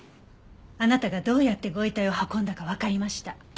あなたがどうやってご遺体を運んだかわかりました。